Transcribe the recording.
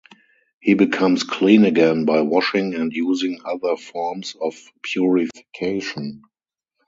He becomes clean again by washing and using other forms of purification.